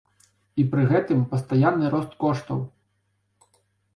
І пры гэтым пастаянны рост коштаў!